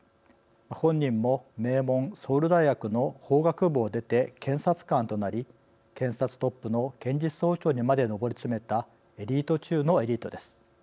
本人も名門ソウル大学の法学部を出て検察官となり検察トップの検事総長にまで登り詰めたエリート中のエリートです。